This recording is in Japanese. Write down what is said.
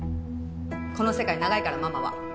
この世界長いからママは。